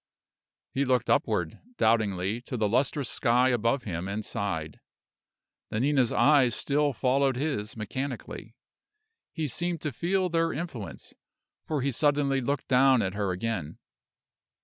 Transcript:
He looked upward, doubtingly, to the lustrous sky above him, and sighed. Nanina's eyes still followed his mechanically. He seemed to feel their influence, for he suddenly looked down at her again.